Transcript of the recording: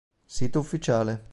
Sito ufficiale.